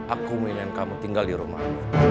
aku milih kamu tinggal di rumah